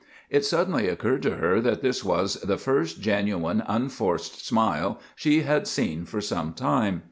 It suddenly occurred to her that this was the first genuine, unforced smile she had seen for some time.